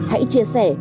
hãy chia sẻ và gửi nhé